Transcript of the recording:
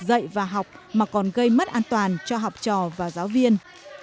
các việc dạy và học mà còn gây mất an toàn cho học trò và giáo viên